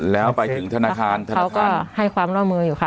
แล้วไปถึงธนาคารเขาก็ให้ความล่อมืออยู่ค่ะ